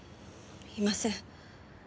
いません。